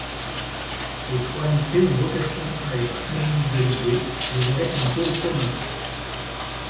Les trois lycées ont vocation à être individualisés, mais avec un pôle commun.